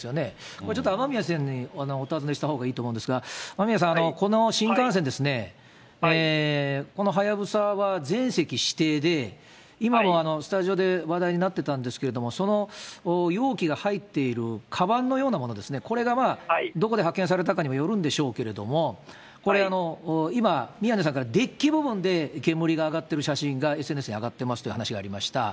これちょっと雨宮さんにお尋ねしたほうがいいと思うんですが、雨宮さん、この新幹線、このはやぶさは全席指定で、今、スタジオで話題になっていたんですけれども、その容器が入っているかばんのようなものですね、これがまあ、どこで発見されたかにもよるんでしょうけれども、これ、今、宮根さんからデッキ部分で煙が上がってる写真がＳＮＳに上がっていますという話がありました。